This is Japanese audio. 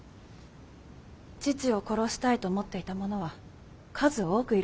父を殺したいと思っていた者は数多くいるのですから。